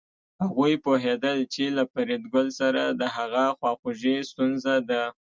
هغوی پوهېدل چې له فریدګل سره د هغه خواخوږي ستونزه ده